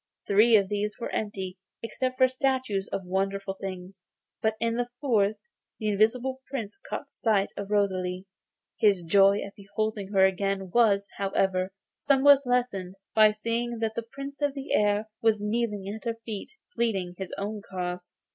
Three of these were empty except for statues and wonderful things, but in the fourth the Invisible Prince caught sight of Rosalie. His joy at beholding her again was, however, somewhat lessened by seeing that the Prince of the Air was kneeling at her feet, and pleading his own cause.